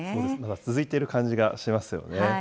続いてる感じがしますよね。